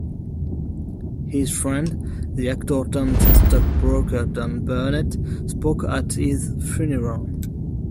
His friend, the actor turned stockbroker Don Burnett, spoke at his funeral.